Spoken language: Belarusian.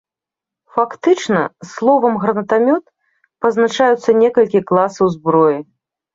Фактычна словам гранатамёт пазначаюцца некалькі класаў зброі.